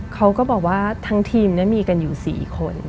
เขาก็บอกว่าทั้งทีมมีกันอยู่๔คน